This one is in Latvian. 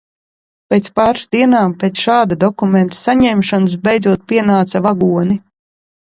Pēc pāris dienām, pēc šāda dokumenta saņemšanas, beidzot pienāca vagoni.